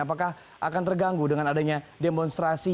apakah akan terganggu dengan adanya demonstrasi